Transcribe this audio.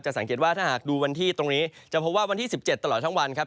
สังเกตว่าถ้าหากดูวันที่ตรงนี้จะพบว่าวันที่๑๗ตลอดทั้งวันครับ